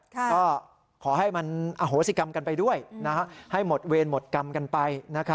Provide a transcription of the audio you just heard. ก็ขอให้มันอโหสิกรรมกันไปด้วยให้หมดเวรหมดกรรมกันไป